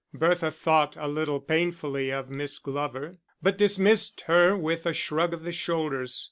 Bertha thought a little painfully of Miss Glover, but dismissed her with a shrug of the shoulders.